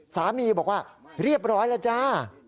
สามีบอกว่าเรียบร้อยแล้วจ้า